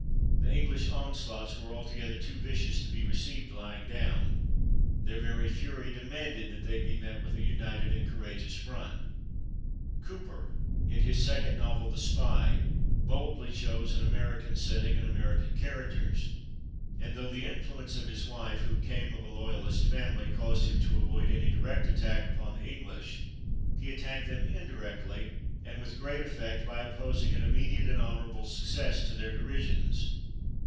The English onslaughts were altogether too vicious to be received lying down; their very fury demanded that they be met with a united and courageous front. Cooper, in his second novel, "The Spy," boldly chose an American setting and American characters, and though the influence of his wife, who came of a Loyalist family, caused him to avoid any direct attack upon the English, he attacked them indirectly, and with great effect, by opposing an immediate and honorable success to their derisions.